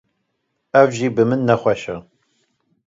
Ev jî bi min nexweşe.